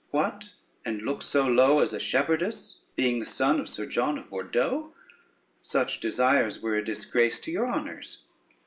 "What, and look so low as a shepherdess, being the son of Sir John of Bordeaux? Such desires were a disgrace to your honors."